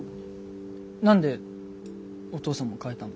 何でお父さんも変えたの？